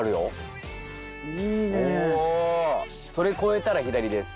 それ越えたら左です。